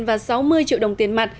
và sáu mươi triệu đồng tiền mặt